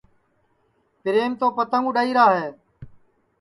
پِریم تو پتنٚگ اُڈؔائیرا ہے